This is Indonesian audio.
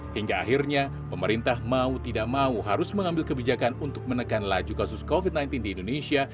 hingga akhirnya pemerintah mau tidak mau harus mengambil kebijakan untuk menekan laju kasus covid sembilan belas di indonesia